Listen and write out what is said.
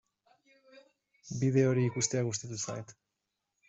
Bideo hori ikustea gustatu zait.